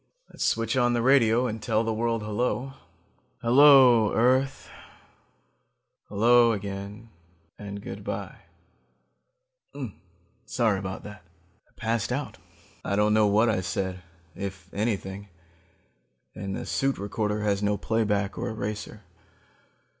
Let's switch on the radio and tell the world hello. Hello, earth ... hello, again ... and good by ... "Sorry about that. I passed out. I don't know what I said, if anything, and the suit recorder has no playback or eraser.